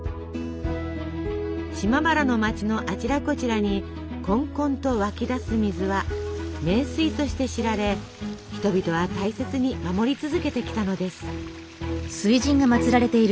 島原の町のあちらこちらにこんこんと湧き出す水は名水として知られ人々は大切に守り続けてきたのです。